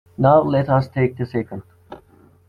Now let us take the second.